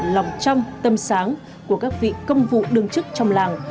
lòng trăm tâm sáng của các vị công vụ đương chức trong làng